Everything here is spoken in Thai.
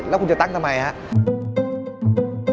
แล้วคุณจะตั้งทำไมครับ